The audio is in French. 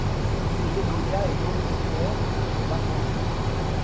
Ce bégonia est originaire d'Argentine.